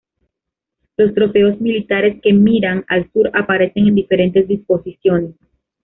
Los trofeos militares que miran al sur, aparecen en diferentes disposiciones.